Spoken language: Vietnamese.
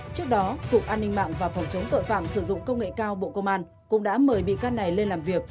trước đó cục an ninh mạng và phòng chống tội phạm sử dụng công nghệ cao bộ công an cũng đã mời bị can này lên làm việc